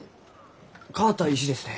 変わった石ですね。